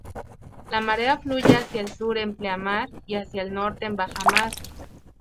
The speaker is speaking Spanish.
La marea fluye hacia el sur en pleamar y hacia el norte en bajamar.